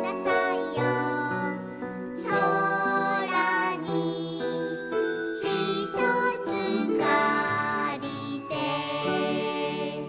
「そらにひとつかりて」